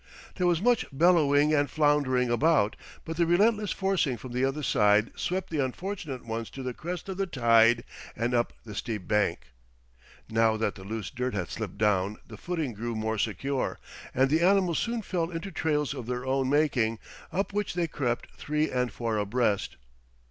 There was much bellowing and floundering about, but the relentless forcing from the other side swept the unfortunate ones to the crest of the tide and up the steep bank. Now that the loose dirt had slipped down the footing grew more secure, and the animals soon fell into trails of their own making, up which they crept three and four abreast.